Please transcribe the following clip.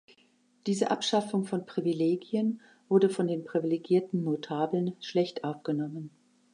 Diese Abschaffung von Privilegien wurde von den privilegierten Notabeln schlecht aufgenommen.